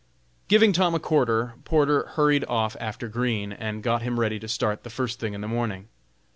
Giving Tom a quarter, Porter hurried off after Green, and got him ready to start the first thing in the morning.